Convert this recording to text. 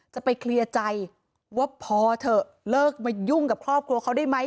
จะไปเคลียร์ใจว่าพอเถอะเลิกมายุ่งกับครอบครัวเขาได้ไหม